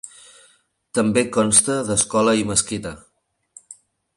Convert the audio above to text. També consta d'escola i mesquita.